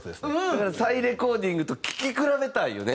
再レコーディングと聴き比べたいよね。